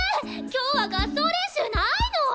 今日は合奏練習ないのぉ！？